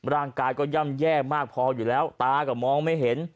ร่างกายก็ย่ำแย่มากพออยู่แล้วตาก็มองไม่เห็น